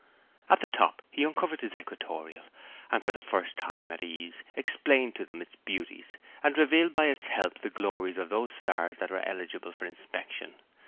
At the top he uncovered his equatorial, and, for the first time at ease, explained to them its beauties, and revealed by its help the glories of those stars that were eligible for inspection.